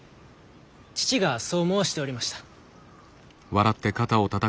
父がそう申しておりました。